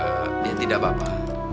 eee ya tidak apa apa